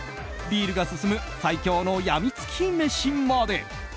ビールが進む最強の病みつき飯まで。